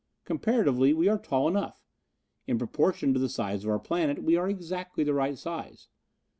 Comparatively we are tall enough. In proportion to the size of our planet we are exactly the right size.